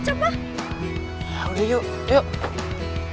yaudah yuk yuk